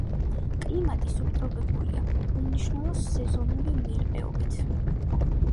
კლიმატი სუბტროპიკულია, უმნიშვნელო სეზონური მერყეობით.